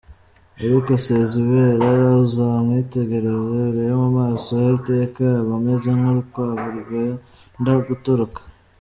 Ariko Sezibera, uzamwitegereze urebe mu maso he, iteka aba ameze nk’urukwavu rwenda gutoroka!